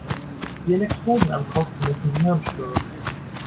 Die Elektroden am Kopf messen die Hirnströme.